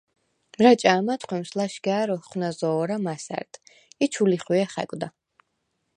რაჭა̈ მათხვმის ლაშგა̈რ ოხვნა̈ზო̄რა მასა̈რდ ი ჩუ ლიხვიე ხა̈კვდა.